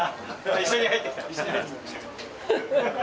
一緒に入ってきた？